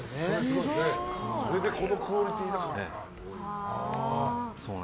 それでこのクオリティーだからな。